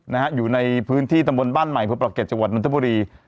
นะฮะอยู่ในพื้นที่ตำบลบ้านใหม่เพื่อประเก็ตจังหวัดนทบุรี